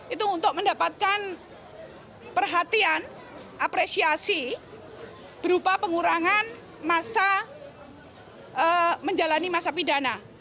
itu untuk mendapatkan perhatian apresiasi berupa pengurangan masa menjalani masa pidana